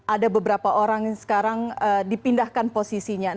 ada beberapa orang yang sekarang dipindahkan posisinya